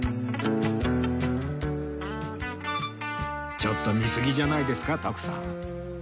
ちょっと見すぎじゃないですか徳さん